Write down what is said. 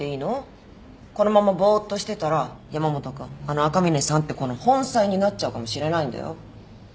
このままぼっとしてたら山本君あの赤嶺さんって子の本妻になっちゃうかもしれないんだよ。